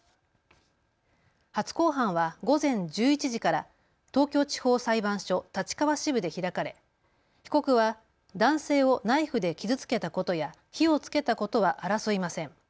初公判は午前１１時から東京地方裁判所立川支部で開かれ被告は男性をナイフで傷つけたことや火をつけたことは争いません。